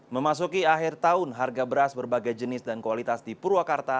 memasuki akhir tahun harga beras berbagai jenis dan kualitas di purwakarta